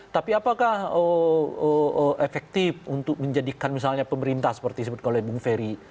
tapi apakah efektif untuk menjadikan misalnya pemerintah seperti disebutkan oleh bung ferry